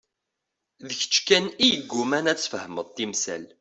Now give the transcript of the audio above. D kečč kan i yegguman ad tfehmeḍ timsal.